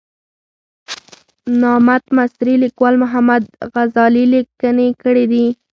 نامت مصري لیکوال محمد غزالي لیکنې کړې دي.